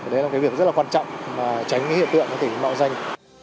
đấy là cái việc rất là quan trọng tránh cái hiện tượng có thể mạo danh